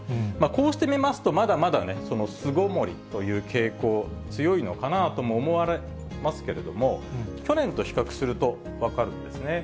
こうして見ますと、まだまだね、巣ごもりという傾向、強いのかなとも思われますけれども、去年と比較すると分かるんですね。